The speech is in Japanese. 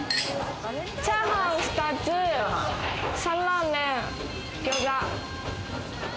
チャーハン２つ、サンマーメン、ギョーザ。